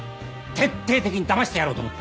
徹底的にだましてやろうと思った。